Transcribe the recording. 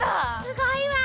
すごいわ。